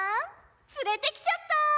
連れてきちゃった。